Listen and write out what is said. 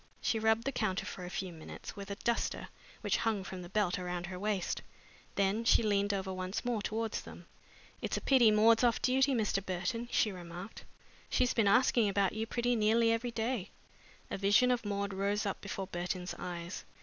She rubbed the counter for a few minutes with a duster which hung from the belt around her waist. Then she leaned over once more towards them. "It's a pity Maud's off duty, Mr. Burton," she remarked. "She's been asking about you pretty nearly every day." A vision of Maud rose up before Burton's eyes.